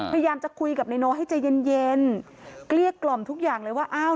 พยายามจะคุยกับนายโนให้ใจเย็นเย็นเกลี้ยกล่อมทุกอย่างเลยว่าอ้าว